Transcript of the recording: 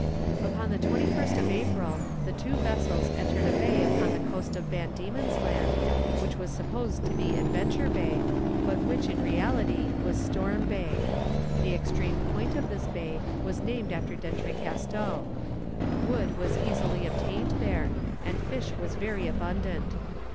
Upon the 21st of April the two vessels entered a bay upon the coast of Van Diemen's Land, which was supposed to be Adventure Bay, but which in reality was Storm Bay. The extreme point of this bay was named after D'Entrecasteaux. Wood was easily obtained there, and fish was very abundant.